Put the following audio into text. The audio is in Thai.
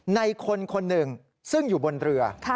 ในคนคนหนึ่งซึ่งอยู่บนเรือ